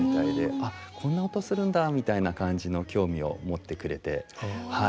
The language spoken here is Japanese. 「あこんな音するんだ」みたいな感じの興味を持ってくれてはい。